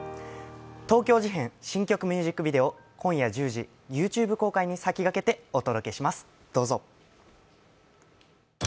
東京事変、新曲ミュージックビデオを今夜１０時、ＹｏｕＴｕｂｅ公開に先駆けてお届けします、どうぞ！